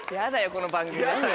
この番組。